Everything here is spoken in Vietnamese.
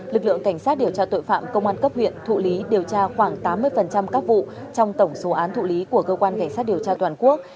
lực lượng cảnh sát điều tra tội phạm công an cấp huyện thụ lý điều tra khoảng tám mươi các vụ trong tổng số án thụ lý của cơ quan cảnh sát điều tra toàn quốc